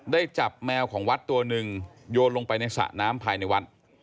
จับแมวของวัดตัวหนึ่งโยนลงไปในสระน้ำภายในวัด